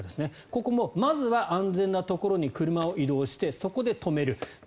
ここも、まずは安全なところに車を移動してそこで止める。